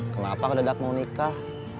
kenapa kau tidak mau nikah